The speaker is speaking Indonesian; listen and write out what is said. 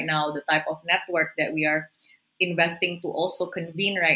dengan jenis jaringan yang kita investasi untuk memperkenalkan sekarang